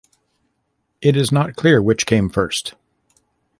It is not clear which came first.